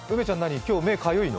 今日、目、かゆいの？